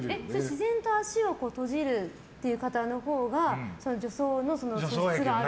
自然と足を閉じるっていう方のほうが女装の素質がある？